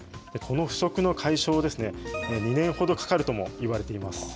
この不足の解消、２年ほどかかるともいわれています。